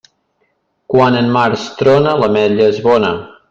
Quan en març trona, l'ametlla és bona.